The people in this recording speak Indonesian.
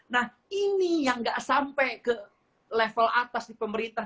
nah ini yang nggak sampai ke level atas di pemerintah